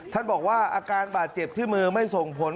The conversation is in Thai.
ท่านบอกว่าอาการบาดเจ็บที่มือไม่ส่งผล